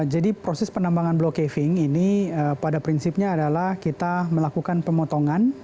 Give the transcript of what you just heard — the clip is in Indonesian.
jadi proses penambangan block caving ini pada prinsipnya adalah kita melakukan pemotongan